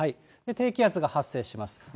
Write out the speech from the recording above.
低気圧が発生します。